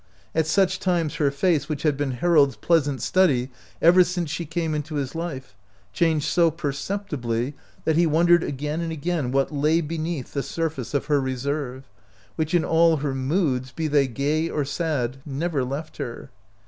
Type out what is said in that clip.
At such times her face, which had been Har old's pleasant study ever since she came into his life, changed sS perceptibly that he wondered again and again what lay beneath the surface of her reserve, which in all her moods, be they gay or sad, never left her.